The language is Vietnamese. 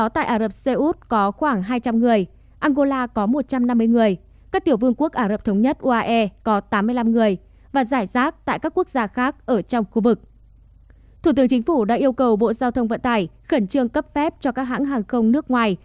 thủ tướng đã yêu cầu bộ giao thông vận tải khẩn trương cấp phép cho các hãng hàng không nước ngoài